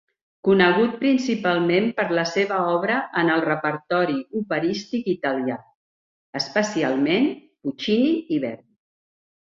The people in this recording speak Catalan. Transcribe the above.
Conegut principalment per la seva obra en el repertori operístic italià, especialment Puccini i Verdi.